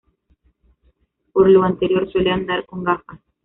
Por lo anterior, suele andar con gafas.